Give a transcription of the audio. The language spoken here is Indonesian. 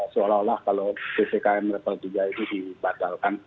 seolah olah kalau ppkm level tiga itu dibatalkan